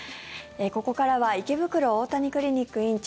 ここからは池袋大谷クリニック院長